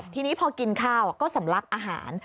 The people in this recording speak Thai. ทีนี้พอกินข้าวก็สำลักอาหาร